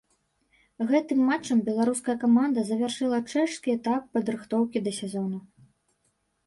Гэтым матчам беларуская каманда завяршыла чэшскі этап падрыхтоўкі да сезону.